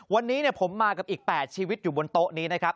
วันนี้ผมมากับอีก๘ชีวิตอยู่บนโต๊ะนี้นะครับ